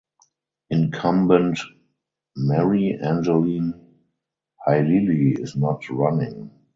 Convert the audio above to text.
Incumbent Mary Angeline Halili is not running.